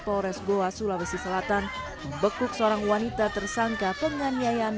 pores goa sulawesi selatan bekuk seorang wanita tersangka penganiayan